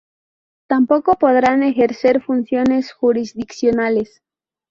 Tampoco podrán ejercer funciones jurisdiccionales.